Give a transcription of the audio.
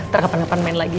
terang terang main lagi